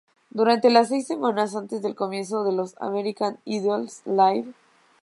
Durante las seis semanas antes del comienzo de los "American Idols Live!